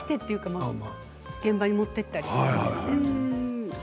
現場に持って行ったりして。